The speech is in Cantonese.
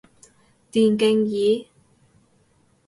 電競椅